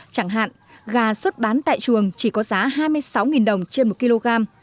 chẳng hạn gà xuất bán tại chuồng chỉ có giá hai mươi sáu đồng trên một kg